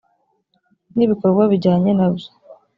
n ibikorwa bijyanye nabyo